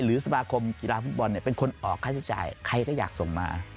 สมาคมกีฬาฟุตบอลเป็นคนออกค่าใช้จ่ายใครก็อยากส่งมา